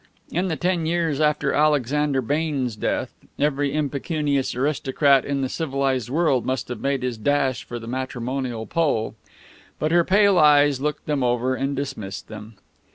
In the ten years after Alexander Baynes' death, every impecunious aristocrat in the civilized world must have made his dash for the matrimonial pole. But her pale eyes looked them over, and dismissed them.